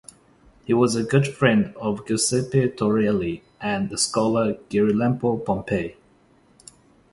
He was a good friend of Giuseppe Torelli and the scholar Girolamo Pompei.